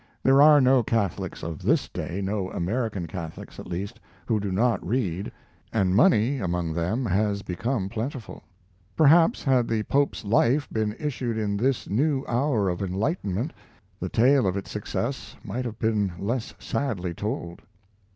There are no Catholics of this day no American Catholics, at least who do not read, and money among them has become plentiful. Perhaps had the Pope's Life been issued in this new hour of enlightenment the tale of its success might have been less sadly told.